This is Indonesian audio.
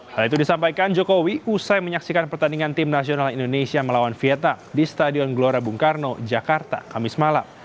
hal itu disampaikan jokowi usai menyaksikan pertandingan tim nasional indonesia melawan vietnam di stadion gelora bung karno jakarta kamis malam